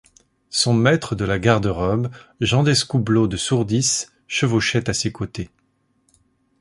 Son maître de la garde-robe, Jean d’Escoubleau de Sourdis, chevauchait à ses côtés.